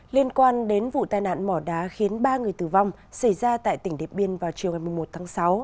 liên quan đến vụ tai nạn mỏ đá khiến ba người tử vong xảy ra tại tỉnh điện biên vào chiều một mươi một tháng sáu